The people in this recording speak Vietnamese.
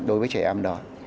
đối với trẻ em đó